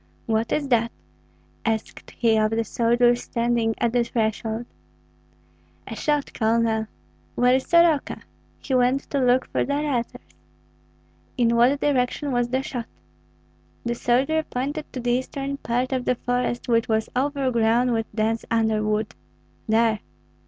"What is that?" asked he of the soldier standing at the threshold. "A shot, Colonel." "Where is Soroka?" "He went to look for the letters." "In what direction was the shot?" The soldier pointed to the eastern part of the forest, which was overgrown with dense underwood. "There!"